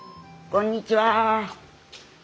こんにちは。